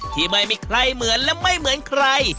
ที่ไม่มีใครเหมือนและไม่เหมือนใคร